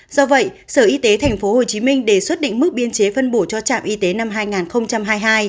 do vậy sở y tế tp hcm đề xuất định mức biên chế phân bổ cho trạm y tế năm hai nghìn hai mươi hai